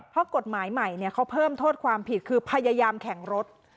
เพราะกฎหมายใหม่เขาเพิ่มโทษความผิดคือพยายามแข่งรถ